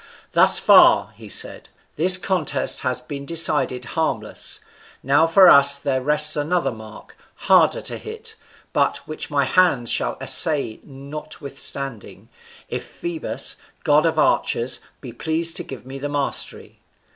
"Thus far," he said, "this contest has been decided harmless: now for us there rests another mark, harder to hit, but which my hands shall essay notwithstanding, if Phoebus, god of archers, be pleased to give me the mastery."